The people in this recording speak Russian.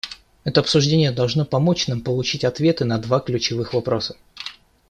Это обсуждение должно помочь нам получить ответы на два ключевых вопроса.